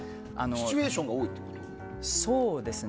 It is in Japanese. シチュエーションが多いということですか？